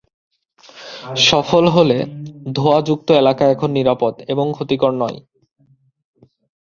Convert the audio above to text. সফল হলে, ধোঁয়াযুক্ত এলাকা এখন নিরাপদ এবং ক্ষতিকর নয়।